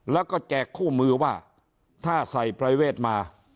แล้วก็แจกคู่มือว่าถ้าใส่ปรายเวทมา